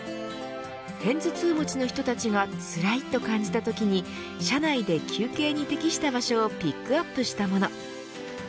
片頭痛持ちの人たちがつらいと感じた時に社内で休憩に適した場所をピックアップしたもの。